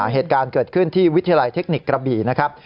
เหตุการณ์เกิดขึ้นที่วิทยาลัยเทคนิคกระบี่นะครับ